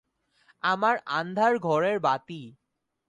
আমার আন্ধার ঘরের বাতি।